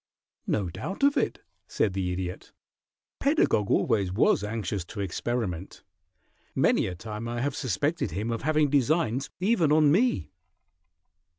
"No doubt of it," said the Idiot. "Pedagog always was anxious to experiment. Many a time I have suspected him of having designs even on me."